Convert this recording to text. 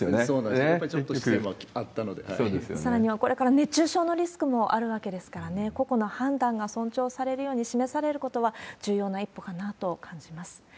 さらにはこれから熱中症のリスクもあるわけですからね、個々の判断が尊重されるように示されることは、重要な一歩かなと感じます。